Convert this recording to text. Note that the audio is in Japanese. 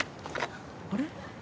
あれ？